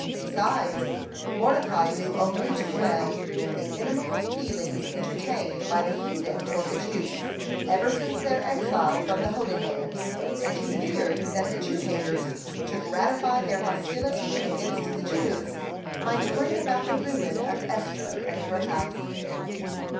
Besides, Mordecai knew only too well the inimical feelings entertained by the heathen toward the Jews, ever since their exile from the Holy Land, and he feared that the Jew haters, to gratify their hostility against the Jews, might bring about the ruin of Esther and her house.